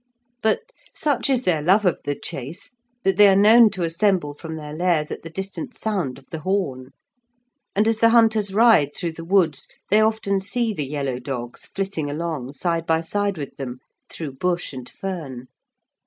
But such is their love of the chase, that they are known to assemble from their lairs at the distant sound of the horn, and, as the hunters ride through the woods, they often see the yellow dogs flitting along side by side with them through bush and fern.